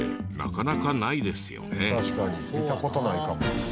確かに見た事ないかも。